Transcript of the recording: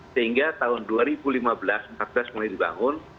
sehingga tahun dua ribu lima belas dua ribu empat belas mulai dibangun